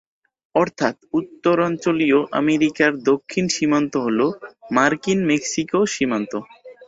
অর্থাৎ উত্তরাঞ্চলীয় আমেরিকার দক্ষিণ সীমান্ত হল মার্কিন-মেক্সিকো সীমান্ত।